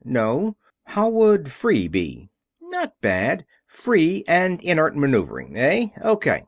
No ... how would 'free' be?" "Not bad. 'Free' and 'Inert' maneuvering, eh? O.